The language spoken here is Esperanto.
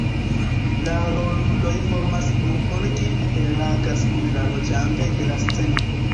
La roluloj formas grupon kiu interagas kun la loĝantoj de la sceno.